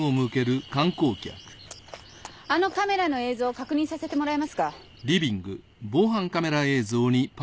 あのカメラの映像を確認させてもらえますか？